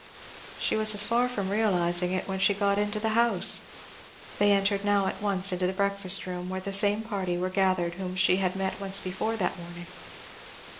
She was as far from realizing it when she got into the house. They entered now at once into the breakfast room where the same party were gathered whom she had met once before that morning.